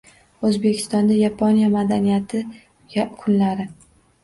O‘zbekistonda Yaponiya madaniyati kunlari